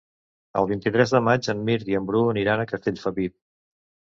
El vint-i-tres de maig en Mirt i en Bru aniran a Castellfabib.